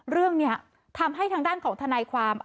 เรื่องนี้ทำให้ทางด้านของทนายความ